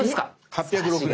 ８０６年。